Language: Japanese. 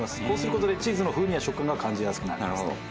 こうする事でチーズの風味や食感が感じやすくなりますと。